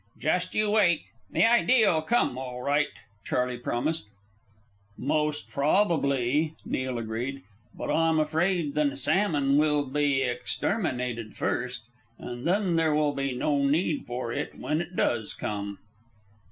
"Just you wait; the idea'll come all right," Charley promised. "Most probably," Neil agreed. "But I'm afraid the salmon will be exterminated first, and then there will be no need for it when it does come."